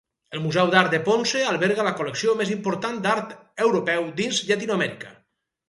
El Museu d'Art de Ponce alberga la col·lecció més important d'art europeu dins Llatinoamèrica.